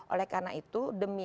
oleh karena itu demi